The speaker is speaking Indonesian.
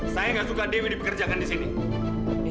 saya nggak suka dewi dipekerjakan di sini